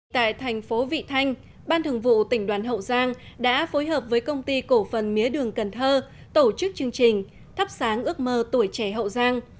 tại thành phố vị thanh ban thường vụ tỉnh đoàn hậu giang đã phối hợp với công ty cổ phần mía đường cần thơ tổ chức chương trình thắp sáng ước mơ tuổi trẻ hậu giang